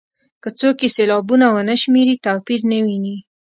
که څوک یې سېلابونه ونه شمېري توپیر نه ویني.